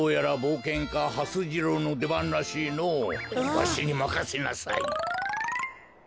わしにまかせなさい。